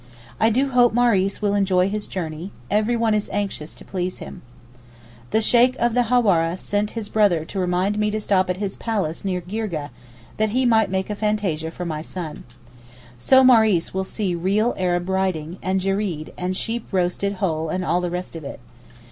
I do hope Maurice will enjoy his journey; everyone is anxious to please him. The Sheykh of the Hawara sent his brother to remind me to stop at his 'palace' near Girgeh, that he might make a fantasia for my son. So Maurice will see real Arab riding, and jereed, and sheep roasted whole and all the rest of it.